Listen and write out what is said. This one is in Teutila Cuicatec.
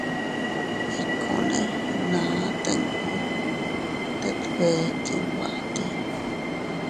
Ikkune naa tinnu, tet bee tinbatii.